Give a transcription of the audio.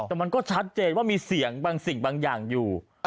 แต่มันก็ชัดเจนว่ามีเสียงบางสิ่งบางอย่างอยู่